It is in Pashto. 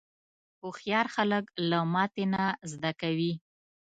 هوښیار خلک له ماتې نه زده کوي.